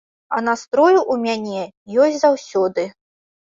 А настрой у мяне ёсць заўсёды.